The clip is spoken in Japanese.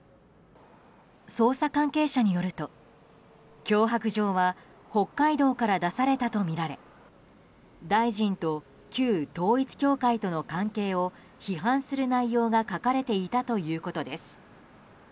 捜査関係者によると脅迫状は、北海道から出されたとみられ大臣と旧統一教会との関係を批判する内容が書かれていたということです。